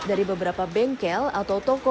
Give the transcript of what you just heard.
dari beberapa bengkel atau toko